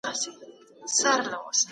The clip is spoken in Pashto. د ملکیت حق یو ښکلی فطرت دی.